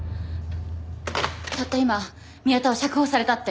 たった今宮田は釈放されたって。